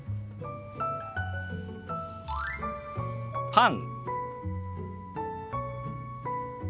「パン」。